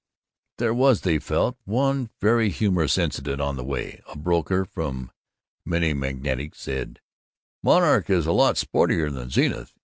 There was, they felt, one very humorous incident on the way. A broker from Minnemagantic said, "Monarch is a lot sportier than Zenith.